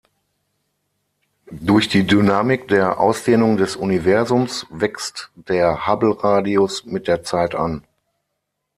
Durch die Dynamik der Ausdehnung des Universums wächst der Hubble-Radius mit der Zeit an.